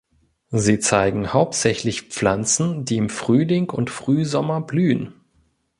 Sie zeigen hauptsächlich Pflanzen, die im Frühling und Frühsommer blühen.